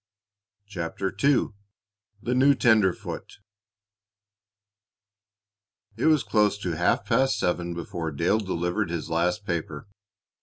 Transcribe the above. CHAPTER II THE NEW TENDERFOOT It was close to half past seven before Dale delivered his last paper.